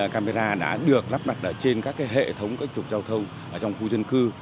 camera đã được lắp đặt trên các hệ thống các trục giao thông trong khu dân cư